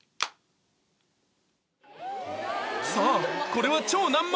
さあこれは超難問！